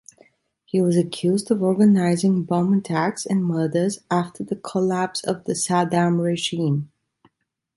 He was accused of organizing bomb attacks and murders after the collapse of the Saddam regime.